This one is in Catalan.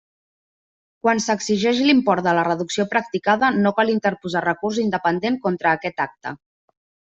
Quan s'exigeix l'import de la reducció practicada, no cal interposar recurs independent contra aquest acte.